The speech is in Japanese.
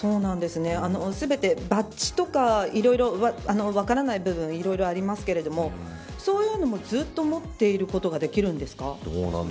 全て、バッジとかいろいろ分からない部分がありますけれどもそういうのも、ずっと持っていることができるんですか。